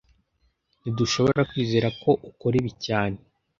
Ntidushobora kwizera ko ukora ibi cyane